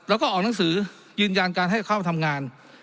แล้วก็ออกหนังสือยืนยันการให้เข้าทำงาน